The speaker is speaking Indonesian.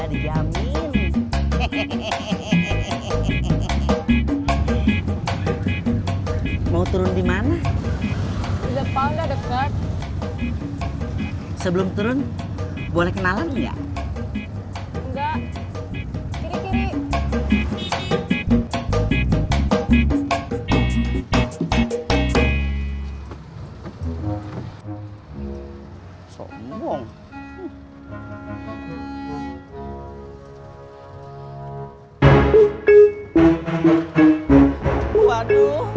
dia musskang dari berangkat